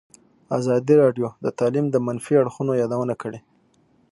ازادي راډیو د تعلیم د منفي اړخونو یادونه کړې.